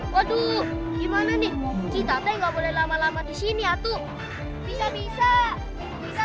waduh gimana nih kita nggak boleh lama lama di sini atuh bisa bisa